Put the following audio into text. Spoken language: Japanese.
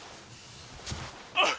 「あっ！